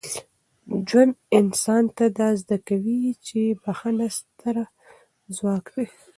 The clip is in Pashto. ژوند انسان ته دا زده کوي چي بخښنه ستره ځواک ده.